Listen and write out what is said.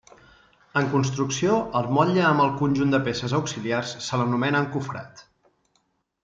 En construcció, al motlle, amb el conjunt de peces auxiliars, se l'anomena encofrat.